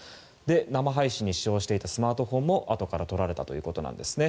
生配信に使用していたスマートフォンもあとからとられたということです。